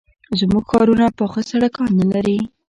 زموږ ښارونه پاخه سړکان نه لري.